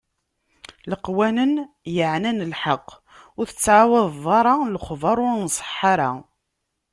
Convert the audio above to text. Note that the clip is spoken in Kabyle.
Leqwanen yeɛnan lḥeqq: ur tettɛawadeḍ ara lexbaṛ ur nṣeḥḥa ara.